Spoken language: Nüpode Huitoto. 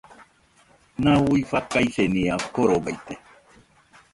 Nau fakaisenia korobaite